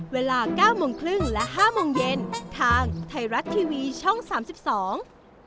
เวลาเก้าโมงครึ่งและห้าโมงเย็นทางไทยรัฐทีวีช่องสามสิบสอง